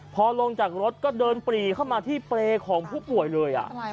พอลงจากรถก็เดินปรีเข้ามาที่เปรย์ของผู้ป่วยเลย